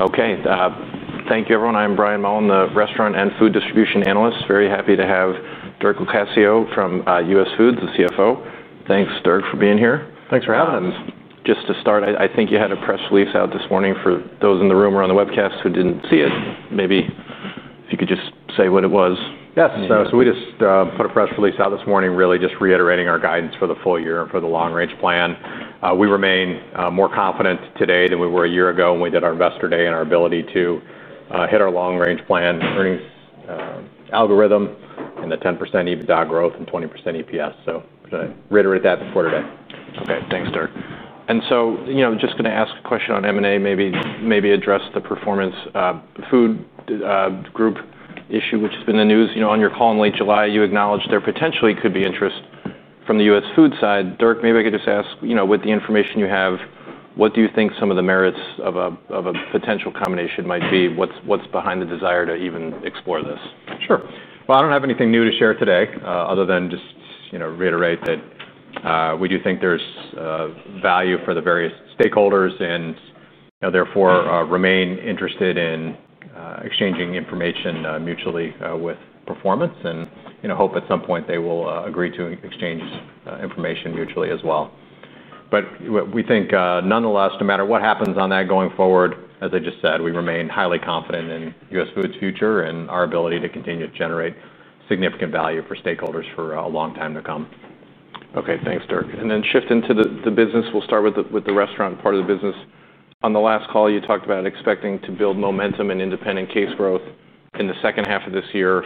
Okay, thank you everyone. I'm Brian Mullin, the Restaurant and Food Distribution Analyst. Very happy to have Dirk Locascio from US Foods, the CFO. Thanks, Dirk, for being here. Thanks for having us. Just to start, I think you had a press release out this morning for those in the room or on the webcast who didn't see it. Maybe if you could just say what it was. Yeah, we just put a press release out this morning, really just reiterating our guidance for the full year and for the long-range plan. We remain more confident today than we were a year ago when we did our Investor Day and our ability to hit our long-range plan earnings algorithm and the 10% EBITDA growth and 20% EPS. I'm going to reiterate that before today. Okay, thanks, Dirk. I'm just going to ask a question on M&A, maybe address the Performance Food Group issue, which has been in the news. On your call in late July, you acknowledged there potentially could be interest from the US Foods side. Dirk, maybe I could just ask, with the information you have, what do you think some of the merits of a potential combination might be? What's behind the desire to even explore this? Sure. I don't have anything new to share today other than just reiterate that we do think there's value for the various stakeholders and therefore remain interested in exchanging information mutually with Performance Food Group and hope at some point they will agree to exchange information mutually as well. We think nonetheless, no matter what happens on that going forward, as I just said, we remain highly confident in US Foods' future and our ability to continue to generate significant value for stakeholders for a long time to come. Okay, thanks, Dirk. Shifting to the business, we'll start with the restaurant part of the business. On the last call, you talked about expecting to build momentum in independent case growth in the second half of this year.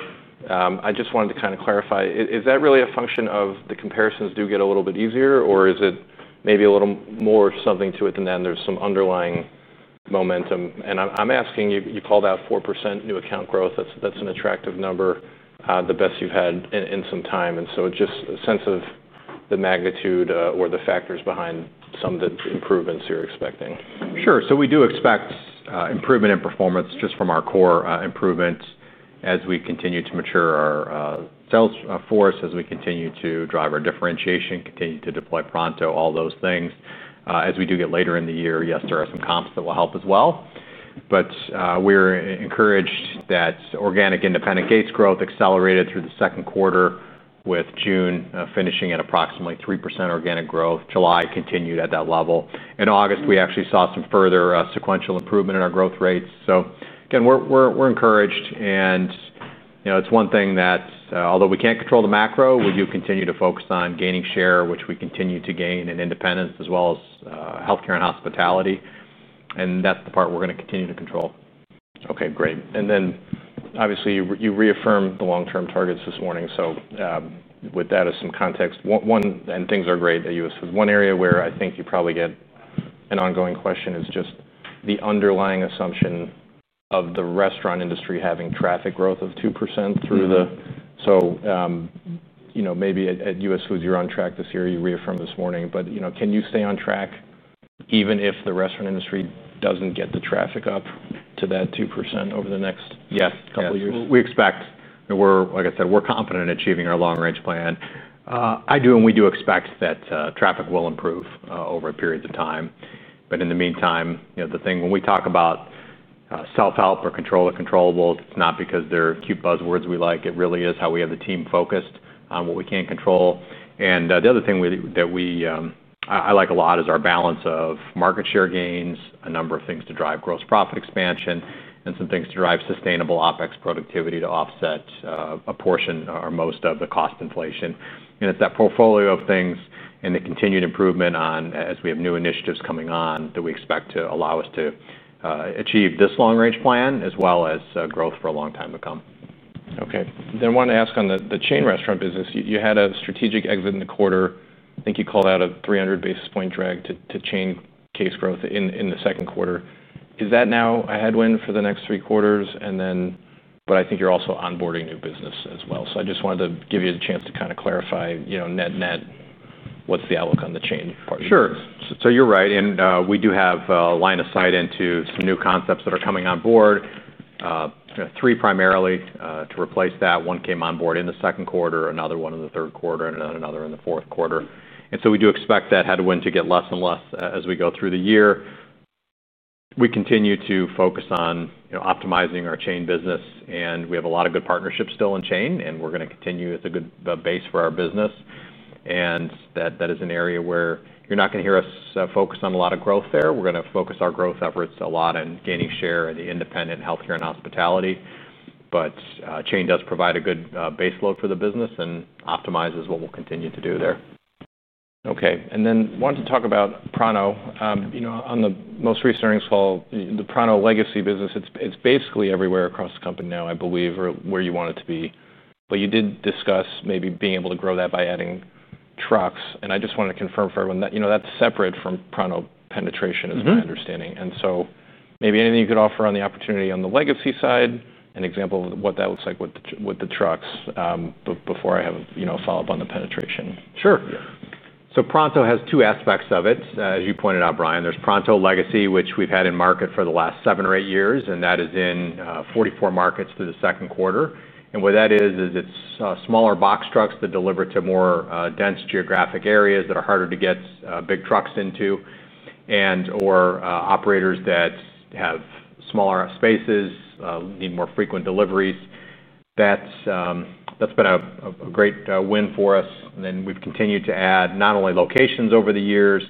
I just wanted to clarify, is that really a function of the comparisons do get a little bit easier, or is it maybe a little more something to it than that and there's some underlying momentum? I'm asking because you called out 4% new account growth. That's an attractive number, the best you've had in some time. It's just a sense of the magnitude or the factors behind some of the improvements you're expecting. Sure. We do expect improvement in performance just from our core improvements as we continue to mature our sales force, as we continue to drive our differentiation, continue to deploy Pronto, all those things. As we do get later in the year, yes, there are some comps that will help as well. We're encouraged that organic independent gates growth accelerated through the second quarter, with June finishing at approximately 3% organic growth. July continued at that level. In August, we actually saw some further sequential improvement in our growth rates. We're encouraged. It's one thing that although we can't control the macro, we do continue to focus on gaining share, which we continue to gain in independents as well as healthcare and hospitality. That's the part we're going to continue to control. Okay, great. You reaffirmed the long-term targets this morning. With that as some context, things are great at US Foods. One area where I think you probably get an ongoing question is just the underlying assumption of the restaurant industry having traffic growth of 2% through the... You know, maybe at US Foods you're on track this year, you reaffirmed this morning, but can you stay on track even if the restaurant industry doesn't get the traffic up to that 2% over the next couple of years? We expect, and we're, like I said, we're confident in achieving our long-range plan. I do, and we do expect that traffic will improve over a period of time. In the meantime, the thing when we talk about self-help or control the controllable is not because they're cute buzzwords we like. It really is how we have the team focused on what we can control. The other thing that I like a lot is our balance of market share gains, a number of things to drive gross profit expansion, and some things to drive sustainable OPEX productivity to offset a portion or most of the cost inflation. It's that portfolio of things and the continued improvement on as we have new initiatives coming on that we expect to allow us to achieve this long-range plan as well as growth for a long time to come. Okay. I wanted to ask on the chain restaurant business. You had a strategic exit in the quarter. I think you called out a 300 basis point drag to chain case growth in the second quarter. Is that now a headwind for the next three quarters? I think you're also onboarding new business as well. I just wanted to give you a chance to clarify, you know, net-net, what's the outlook on the chain part? Sure. You're right. We do have a line of sight into some new concepts that are coming on board, three primarily to replace that. One came on board in the second quarter, another one in the third quarter, and another in the fourth quarter. We do expect that headwind to get less and less as we go through the year. We continue to focus on optimizing our chain business, and we have a lot of good partnerships still in chain. We're going to continue with a good base for our business. That is an area where you're not going to hear us focus on a lot of growth. We're going to focus our growth efforts a lot on gaining share in the independent, healthcare, and hospitality. Chain does provide a good baseload for the business and optimizes what we'll continue to do there. Okay. I wanted to talk about Pronto. You know, on the most recent earnings call, the Pronto legacy business, it's basically everywhere across the company now, I believe, or where you want it to be. You did discuss maybe being able to grow that by adding trucks. I just wanted to confirm for everyone that, you know, that's separate from Pronto penetration is my understanding. Maybe anything you could offer on the opportunity on the legacy side, an example of what that looks like with the trucks, before I have a follow-up on the penetration. Sure. Yeah. Pronto has two aspects of it. As you pointed out, Brian, there's Pronto legacy, which we've had in market for the last seven or eight years, and that is in 44 markets through the second quarter. What that is, is it's smaller box trucks that deliver to more dense geographic areas that are harder to get big trucks into and/or operators that have smaller spaces, need more frequent deliveries. That's been a great win for us. We've continued to add not only locations over the years,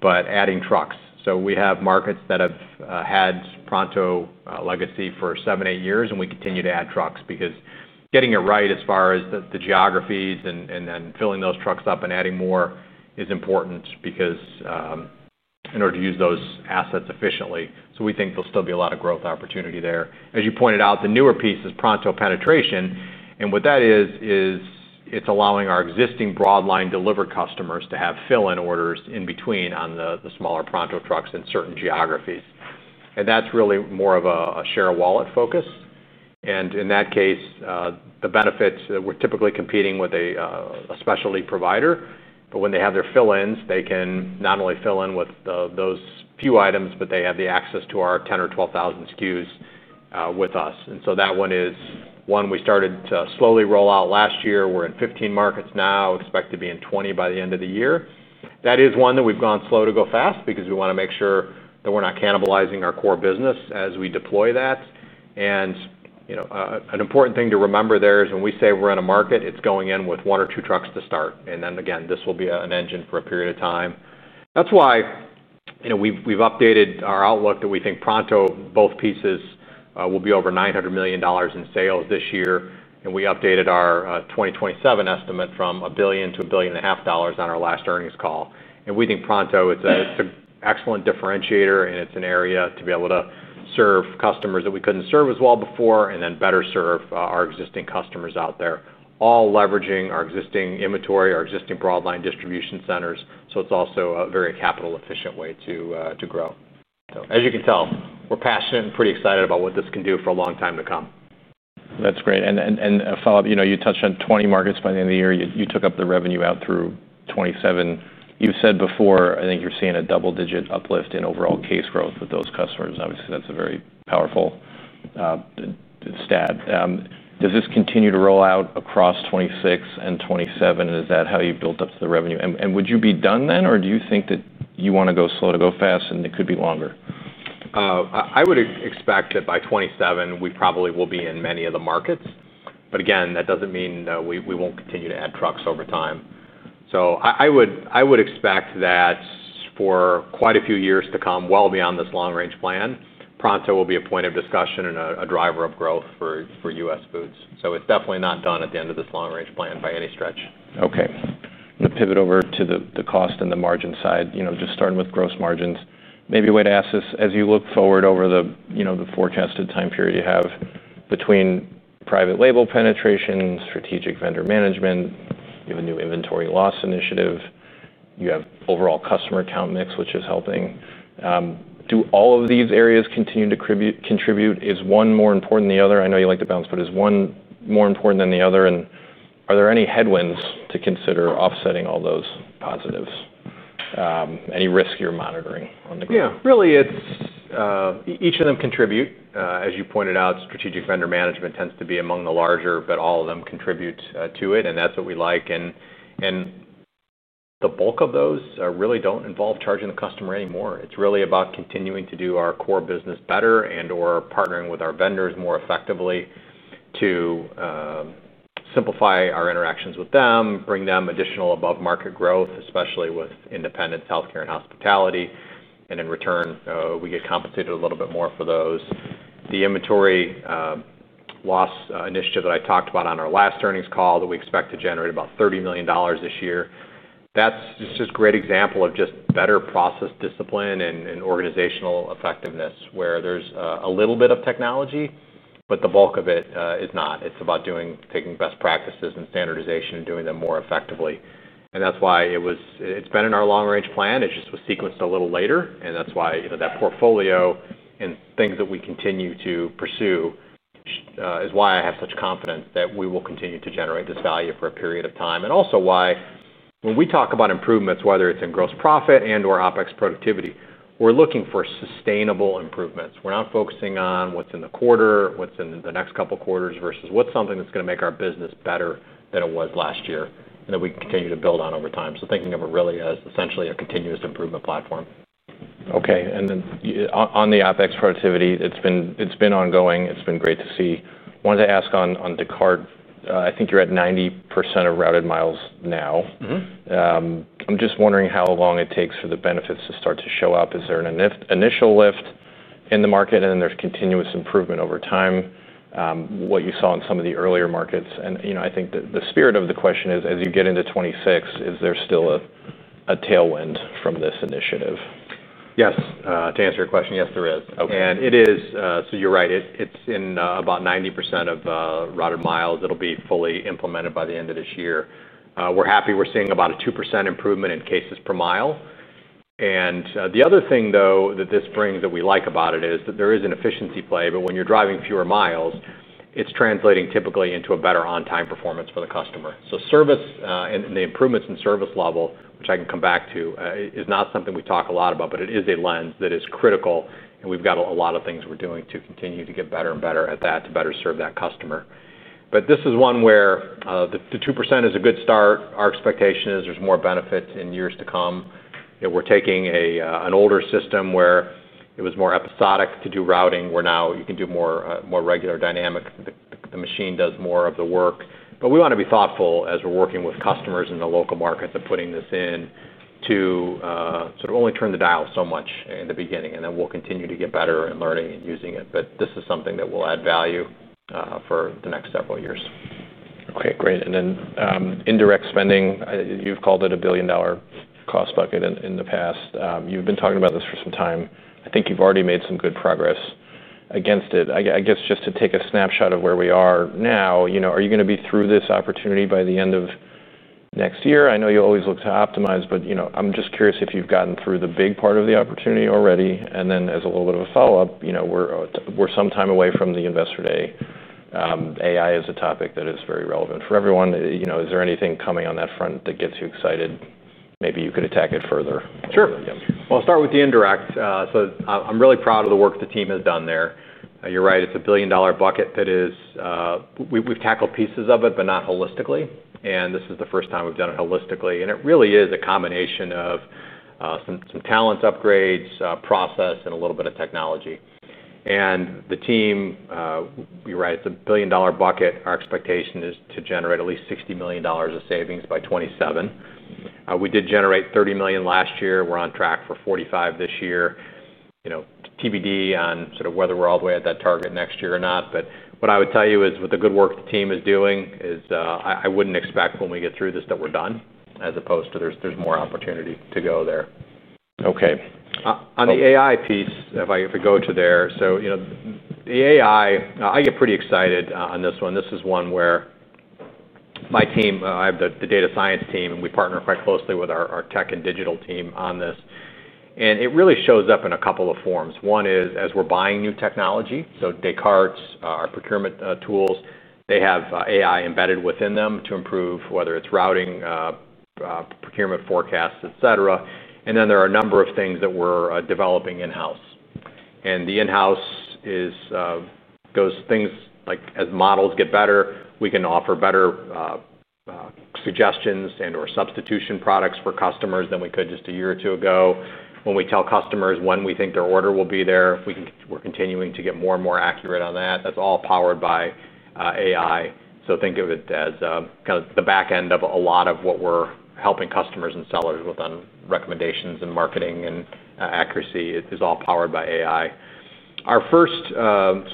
but adding trucks. We have markets that have had Pronto legacy for seven, eight years, and we continue to add trucks because getting it right as far as the geographies and then filling those trucks up and adding more is important in order to use those assets efficiently. We think there'll still be a lot of growth opportunity there. As you pointed out, the newer piece is Pronto penetration. What that is, is it's allowing our existing broad line deliver customers to have fill-in orders in between on the smaller Pronto trucks in certain geographies. That's really more of a share wallet focus. In that case, the benefits, we're typically competing with a specialty provider. When they have their fill-ins, they can not only fill in with those few items, but they have the access to our 10,000 or 12,000 SKUs with us. That one is one we started to slowly roll out last year. We're in 15 markets now, expect to be in 20 by the end of the year. That is one that we've gone slow to go fast because we want to make sure that we're not cannibalizing our core business as we deploy that. An important thing to remember there is when we say we're in a market, it's going in with one or two trucks to start. This will be an engine for a period of time. That's why we've updated our outlook that we think Pronto, both pieces, will be over $900 million in sales this year. We updated our 2027 estimate from $1 billion to $1.5 billion on our last earnings call. We think Pronto, it's an excellent differentiator, and it's an area to be able to serve customers that we couldn't serve as well before and then better serve our existing customers out there, all leveraging our existing inventory, our existing broad line distribution centers. It's also a very capital-efficient way to grow. As you can tell, we're passionate and pretty excited about what this can do for a long time to come. That's great. A follow-up, you touched on 20 markets by the end of the year. You took up the revenue out through 2027. You've said before, I think you're seeing a double-digit uplift in overall case growth with those customers. Obviously, that's a very powerful stat. Does this continue to roll out across 2026 and 2027? Is that how you build up to the revenue? Would you be done then, or do you think that you want to go slow to go fast and it could be longer? I would expect that by 2027, we probably will be in many of the markets. That doesn't mean that we won't continue to add trucks over time. I would expect that for quite a few years to come, well beyond this long-range plan, Pronto will be a point of discussion and a driver of growth for US Foods. It's definitely not done at the end of this long-range plan by any stretch. Okay. I'm going to pivot over to the cost and the margin side, you know, just starting with gross margins. Maybe a way to ask this, as you look forward over the, you know, the forecasted time period you have between private label penetration, strategic vendor management, you have a new inventory loss initiative, you have overall customer account mix, which is helping. Do all of these areas continue to contribute? Is one more important than the other? I know you like to bounce, but is one more important than the other? Are there any headwinds to consider offsetting all those positives? Any risk you're monitoring on the ground? Yeah, really, each of them contribute. As you pointed out, strategic vendor management tends to be among the larger, but all of them contribute to it. That's what we like. The bulk of those really don't involve charging the customer anymore. It's really about continuing to do our core business better and/or partnering with our vendors more effectively to simplify our interactions with them, bring them additional above-market growth, especially with independents, healthcare, and hospitality. In return, we get compensated a little bit more for those. The inventory loss initiative that I talked about on our last earnings call that we expect to generate about $30 million this year, that's just a great example of just better process discipline and organizational effectiveness where there's a little bit of technology, but the bulk of it is not. It's about taking best practices and standardization and doing them more effectively. That's why it's been in our long-range plan. It just was sequenced a little later. That portfolio and things that we continue to pursue is why I have such confidence that we will continue to generate this value for a period of time. Also, when we talk about improvements, whether it's in gross profit and/or OPEX productivity, we're looking for sustainable improvements. We're not focusing on what's in the quarter, what's in the next couple of quarters versus what's something that's going to make our business better than it was last year and that we continue to build on over time. Thinking of it really as essentially a continuous improvement platform. Okay. On the OPEX productivity, it's been ongoing. It's been great to see. I wanted to ask on Descartes, I think you're at 90% of routed miles now. I'm just wondering how long it takes for the benefits to start to show up. Is there an initial lift in the market, and then there's continuous improvement over time? What you saw in some of the earlier markets, and I think the spirit of the question is, as you get into 2026, is there still a tailwind from this initiative? Yes, to answer your question, yes, there is. It is, so you're right, it's in about 90% of routed miles. It'll be fully implemented by the end of this year. We're happy we're seeing about a 2% improvement in cases per mile. The other thing though that this brings that we like about it is that there is an efficiency play, but when you're driving fewer miles, it's translating typically into a better on-time performance for the customer. Service and the improvements in service level, which I can come back to, is not something we talk a lot about, but it is a lens that is critical. We've got a lot of things we're doing to continue to get better and better at that to better serve that customer. This is one where the 2% is a good start. Our expectation is there's more benefit in years to come. We're taking an older system where it was more episodic to do routing, where now you can do more regular dynamic. The machine does more of the work. We want to be thoughtful as we're working with customers in the local market that are putting this in to sort of only turn the dial so much in the beginning. We'll continue to get better and learning and using it. This is something that will add value for the next several years. Okay, great. Then indirect spending, you've called it a $1 billion cost bucket in the past. You've been talking about this for some time. I think you've already made some good progress against it. I guess just to take a snapshot of where we are now, you know, are you going to be through this opportunity by the end of next year? I know you always look to optimize, but I'm just curious if you've gotten through the big part of the opportunity already. As a little bit of a follow-up, we're sometime away from the Investor Day. AI is a topic that is very relevant for everyone. Is there anything coming on that front that gets you excited? Maybe you could attack it further. Sure. I'll start with the indirect. I'm really proud of the work the team has done there. You're right, it's a $1 billion bucket that is, we've tackled pieces of it, but not holistically. This is the first time we've done it holistically. It really is a combination of some talent upgrades, process, and a little bit of technology. The team, you're right, it's a $1 billion bucket. Our expectation is to generate at least $60 million of savings by 2027. We did generate $30 million last year. We're on track for $45 million this year. TBD on sort of whether we're all the way at that target next year or not. What I would tell you is with the good work the team is doing, I wouldn't expect when we get through this that we're done, as opposed to there's more opportunity to go there. Okay. On the AI piece, if I go to there, the AI, I get pretty excited on this one. This is one where my team, I have the data science team, and we partner quite closely with our tech and digital team on this. It really shows up in a couple of forms. One is as we're buying new technology, so Descartes, our procurement tools, they have AI embedded within them to improve whether it's routing, procurement forecasts, et cetera. There are a number of things that we're developing in-house. The in-house is things like as models get better, we can offer better suggestions and/or substitution products for customers than we could just a year or two ago. When we tell customers when we think their order will be there, we're continuing to get more and more accurate on that. That's all powered by AI. Think of it as kind of the backend of a lot of what we're helping customers and sellers with on recommendations and marketing and accuracy. It's all powered by AI. Our first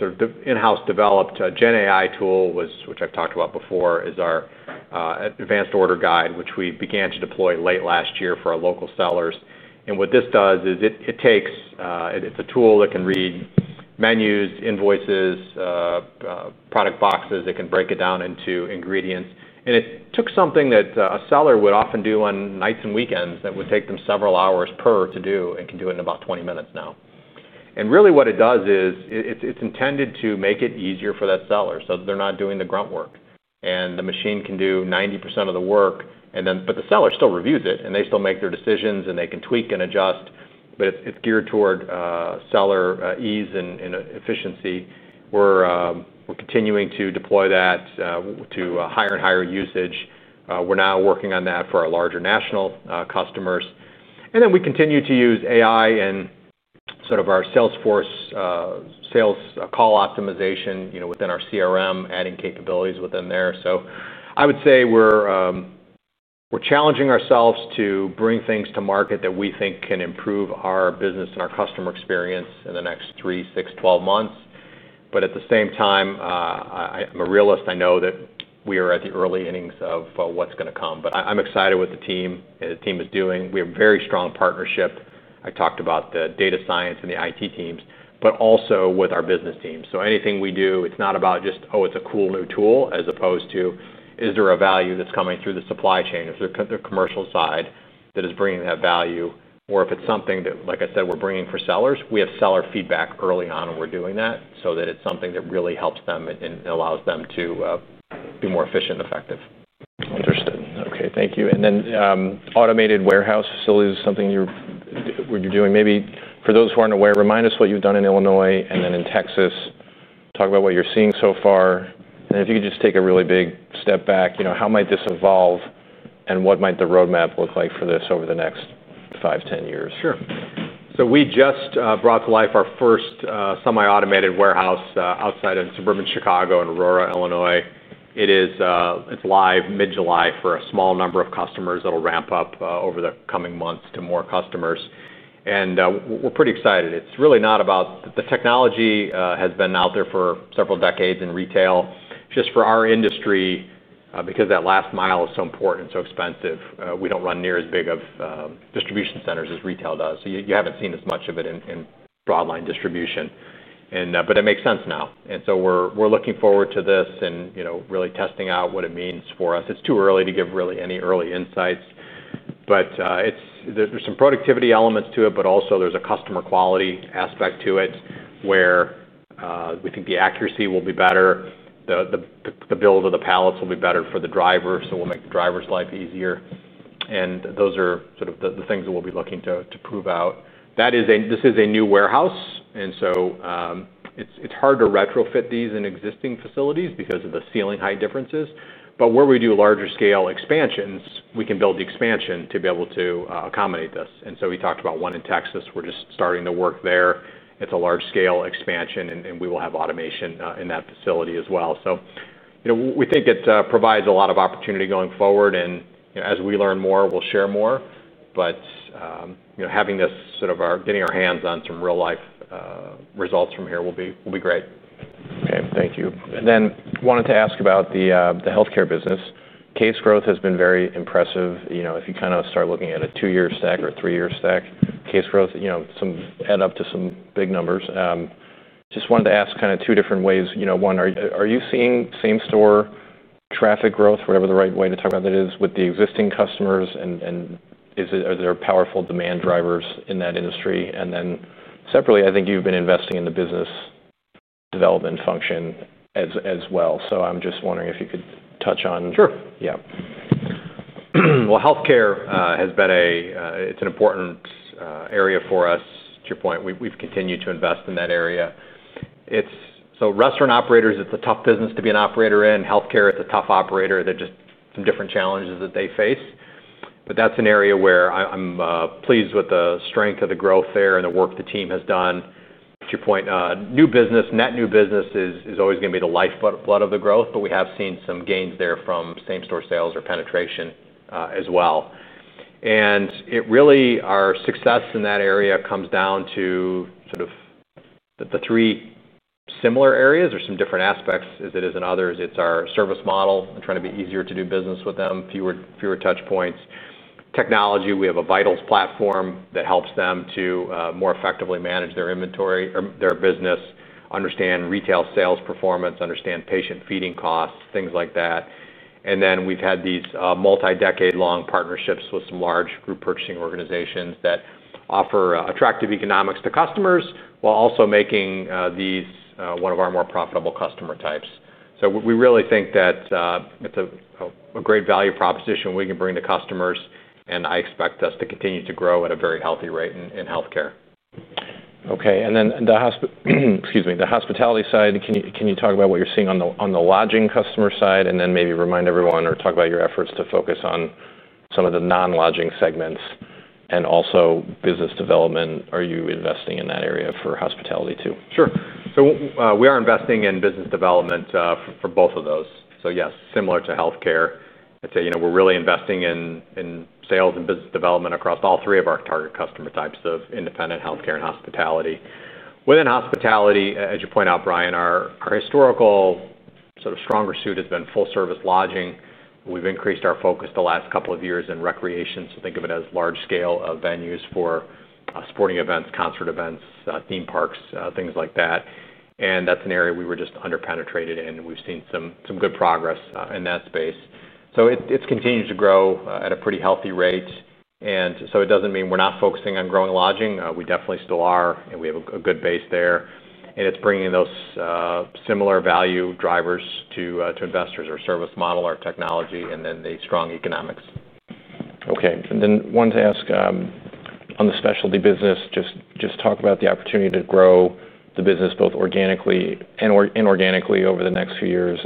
sort of in-house developed GenAI tool was, which I've talked about before, is our advanced order guide, which we began to deploy late last year for our local sellers. What this does is it takes, it's a tool that can read menus, invoices, product boxes. It can break it down into ingredients. It took something that a seller would often do on nights and weekends that would take them several hours per to do and can do it in about 20 minutes now. What it does is it's intended to make it easier for that seller so that they're not doing the grunt work. The machine can do 90% of the work, but the seller still reviews it and they still make their decisions and they can tweak and adjust. It's geared toward seller ease and efficiency. We're continuing to deploy that to higher and higher usage. We're now working on that for our larger national customers. We continue to use AI in sort of our Salesforce sales call optimization within our CRM, adding capabilities within there. I would say we're challenging ourselves to bring things to market that we think can improve our business and our customer experience in the next 3, 6, 12 months. At the same time, I'm a realist. I know that we are at the early innings of what's going to come, but I'm excited with the team. The team is doing, we have a very strong partnership. I talked about the data science and the IT teams, but also with our business teams. Anything we do, it's not about just, oh, it's a cool new tool as opposed to, is there a value that's coming through the supply chain or through the commercial side that is bringing that value? If it's something that, like I said, we're bringing for sellers, we have seller feedback early on and we're doing that so that it's something that really helps them and allows them to be more efficient and effective. Understood. Okay, thank you. Automated warehouse facilities is something you're doing. Maybe for those who aren't aware, remind us what you've done in Illinois and then in Texas. Talk about what you're seeing so far. If you could just take a really big step back, you know, how might this evolve and what might the roadmap look like for this over the next five, ten years? Sure. We just brought to life our first semi-automated warehouse outside of suburban Chicago in Aurora, Illinois. It's live mid-July for a small number of customers that'll ramp up over the coming months to more customers. We're pretty excited. It's really not about the technology; it has been out there for several decades in retail. For our industry, because that last mile is so important and so expensive, we don't run near as big of distribution centers as retail does. You haven't seen as much of it in broadline distribution, but it makes sense now. We're looking forward to this and really testing out what it means for us. It's too early to give any early insights. There are some productivity elements to it, but also there's a customer quality aspect to it where we think the accuracy will be better. The build of the pallets will be better for the driver, so we'll make the driver's life easier. Those are the things that we'll be looking to prove out. This is a new warehouse, and it's hard to retrofit these in existing facilities because of the ceiling height differences. Where we do larger scale expansions, we can build the expansion to be able to accommodate this. We talked about one in Texas. We're just starting to work there. It's a large scale expansion and we will have automation in that facility as well. We think it provides a lot of opportunity going forward. As we learn more, we'll share more. Having this, getting our hands on some real-life results from here, will be great. Okay, thank you. I wanted to ask about the healthcare business. Case growth has been very impressive. If you kind of start looking at a two-year stack or a three-year stack, case growth adds up to some big numbers. I just wanted to ask two different ways. One, are you seeing same-store traffic growth, whatever the right way to talk about it is, with the existing customers? Are there powerful demand drivers in that industry? I think you've been investing in the business development function as well. I'm just wondering if you could touch on that. Sure. Yeah. Healthcare has been a, it's an important area for us. To your point, we've continued to invest in that area. It's so restaurant operators, it's a tough business to be an operator in. Healthcare, it's a tough operator. They're just some different challenges that they face. That's an area where I'm pleased with the strength of the growth there and the work the team has done. To your point, new business, net new business is always going to be the lifeblood of the growth, but we have seen some gains there from same-store sales or penetration as well. It really, our success in that area comes down to sort of the three similar areas or some different aspects as it is in others. It's our service model and trying to be easier to do business with them, fewer touchpoints. Technology, we have a Vitals platform that helps them to more effectively manage their inventory or their business, understand retail sales performance, understand patient feeding costs, things like that. We've had these multi-decade long partnerships with some large group purchasing organizations that offer attractive economics to customers while also making these one of our more profitable customer types. We really think that it's a great value proposition we can bring to customers and I expect us to continue to grow at a very healthy rate in healthcare. Okay. On the hospitality side, can you talk about what you're seeing on the lodging customer side, and then maybe remind everyone or talk about your efforts to focus on some of the non-lodging segments and also business development? Are you investing in that area for hospitality too? Sure. We are investing in business development for both of those. Yes, similar to healthcare, I'd say we're really investing in sales and business development across all three of our target customer types of independent, healthcare, and hospitality. Within hospitality, as you point out, Brian, our historical sort of stronger suit has been full-service lodging. We've increased our focus the last couple of years in recreation. Think of it as large scale venues for sporting events, concert events, theme parks, things like that. That's an area we were just underpenetrated in, and we've seen some good progress in that space. It's continued to grow at a pretty healthy rate. It doesn't mean we're not focusing on growing lodging. We definitely still are, and we have a good base there. It's bringing those similar value drivers to investors, our service model, our technology, and then the strong economics. Okay. I wanted to ask on the specialty business, just talk about the opportunity to grow the business both organically and inorganically over the next few years.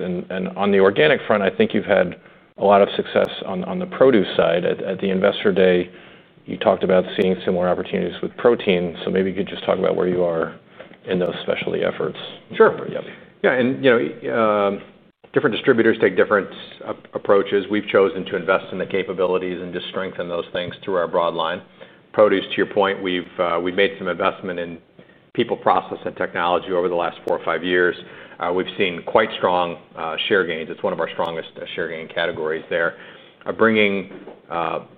On the organic front, I think you've had a lot of success on the produce side. At the Investor Day, you talked about seeing similar opportunities with protein. Maybe you could just talk about where you are in those specialty efforts. Sure. Yeah. You know, different distributors take different approaches. We've chosen to invest in the capabilities and just strengthen those things through our broad line. Produce, to your point, we've made some investment in people, process, and technology over the last four or five years. We've seen quite strong share gains. It's one of our strongest share gain categories there, bringing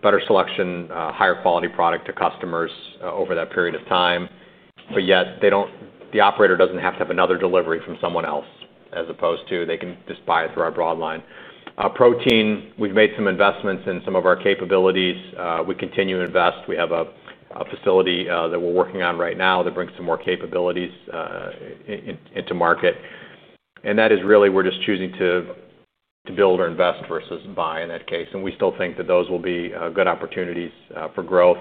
better selection, higher quality product to customers over that period of time. Yet the operator doesn't have to have another delivery from someone else as opposed to they can just buy it through our broad line. Protein, we've made some investments in some of our capabilities. We continue to invest. We have a facility that we're working on right now that brings some more capabilities into market. That is really, we're just choosing to build or invest versus buy in that case. We still think that those will be good opportunities for growth.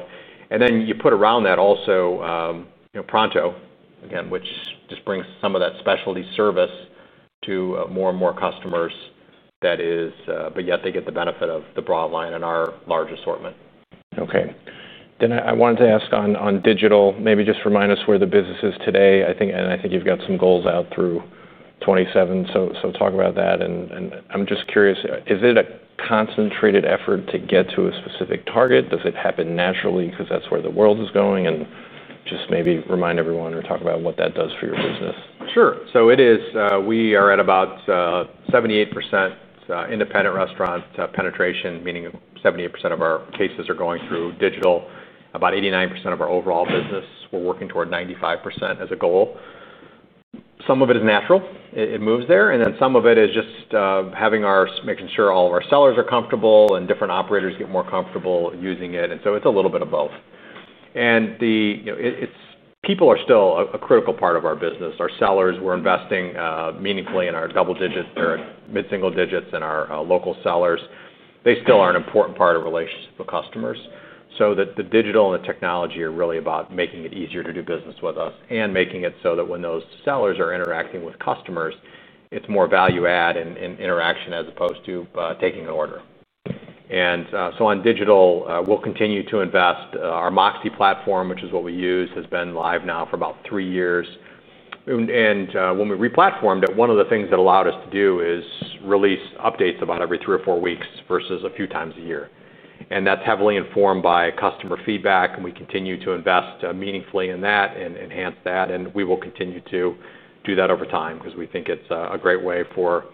You put around that also, you know, Pronto, again, which just brings some of that specialty service to more and more customers, yet they get the benefit of the broad line and our large assortment. Okay. I wanted to ask on digital, maybe just remind us where the business is today. I think you've got some goals out through 2027. Talk about that. I'm just curious, is it a concentrated effort to get to a specific target? Does it happen naturally because that's where the world is going? Maybe remind everyone or talk about what that does for your business. Sure. It is, we are at about 78% independent restaurant penetration, meaning 78% of our cases are going through digital, about 89% of our overall business. We are working toward 95% as a goal. Some of it is natural. It moves there, and some of it is just having our, making sure all of our sellers are comfortable and different operators get more comfortable using it. It is a little bit of both. People are still a critical part of our business. Our sellers, we are investing meaningfully in our double digits or mid-single digits and our local sellers. They still are an important part of relationships with customers, so the digital and the technology are really about making it easier to do business with us and making it so that when those sellers are interacting with customers, it is more value add and interaction as opposed to taking an order. On digital, we will continue to invest. Our MOXē platform, which is what we use, has been live now for about three years. When we re-platformed it, one of the things that allowed us to do is release updates about every three or four weeks versus a few times a year. That is heavily informed by customer feedback. We continue to invest meaningfully in that and enhance that. We will continue to do that over time because we think it is a great way for,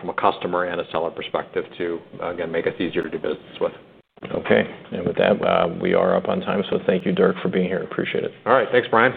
from a customer and a seller perspective, to again make us easier to do business with. Okay. With that, we are up on time. Thank you, Dirk, for being here. Appreciate it. All right. Thanks, Brian.